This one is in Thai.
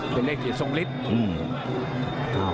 เปเลกอย่าทรงลิฟท์